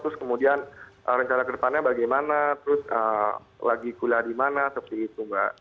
terus kemudian rencana kedepannya bagaimana terus lagi kuliah di mana seperti itu mbak